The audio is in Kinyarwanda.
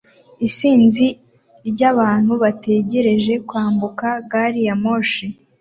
Isinzi ry'abantu bategereje kwambuka gari ya moshi